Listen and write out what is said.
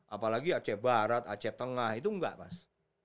apalagi aceh barat aceh tengah itu enggak mas